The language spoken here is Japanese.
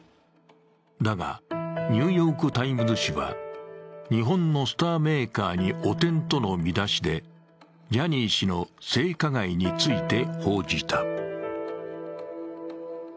だが「ニューヨーク・タイムズ」紙は「日本のスター・メーカーに汚点」との見出しでジャニー氏の性加害について報じた。